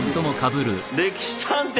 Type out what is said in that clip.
「歴史探偵」